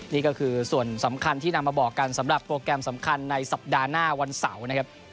นี่ก็คือส่วนสำคัญที่นำมาบอกกันสำหรับโปรแกรมสำคัญในสัปดาห์หน้าวันเสาร์นะครับ